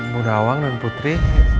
bundawang dan putri